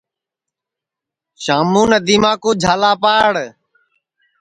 شاموں ندیما کُو جھالا پاڑ